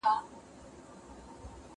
هغه سړی تر مځکي لاندي په اوبو پسي ګرځېدی.